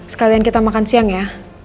sekalian kita makan siang ya